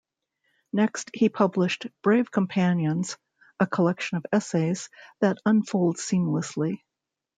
Next, he published "Brave Companions", a collection of essays that "unfold seamlessly".